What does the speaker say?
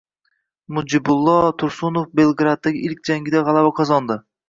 Mujibillo Tursunov Belgraddagi ilk jangida g‘alaba qozondi